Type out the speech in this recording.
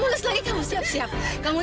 aduh mama ini harus gimana aku